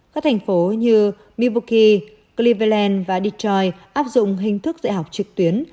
các thành phố như mivoki cleveland và detroit áp dụng hình thức dạy học trực tuyến